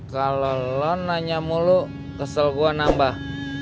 kalau lo nanya mulu kesel gua nambah